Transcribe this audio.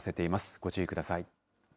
ご注意ください。